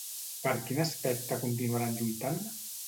Per quin aspecte continuaran lluitant?